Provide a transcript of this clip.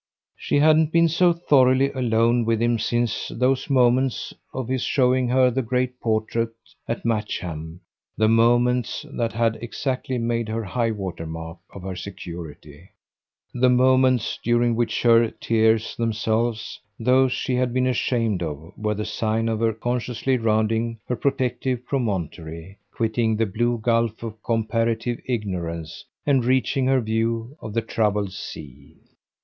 She hadn't been so thoroughly alone with him since those moments of his showing her the great portrait at Matcham, the moments that had exactly made the high water mark of her security, the moments during which her tears themselves, those she had been ashamed of, were the sign of her consciously rounding her protective promontory, quitting the blue gulf of comparative ignorance and reaching her view of the troubled sea.